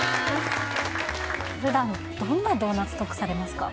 普段どんなドーナツトークされますか？